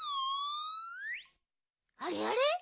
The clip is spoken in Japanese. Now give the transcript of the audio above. あれあれ？